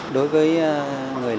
đối với người làng